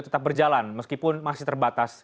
tetap berjalan meskipun masih terbatas